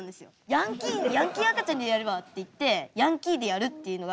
ヤンキー赤ちゃんでやればっていってヤンキーでやるっていうのが。